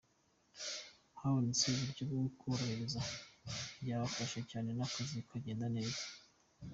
Habonetse uburyo bwo kuborohereza byabafasha cyane n’akazi kakagenda neza”.